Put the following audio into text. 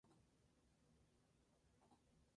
Su puerto más importante es el Puerto de Pasajes.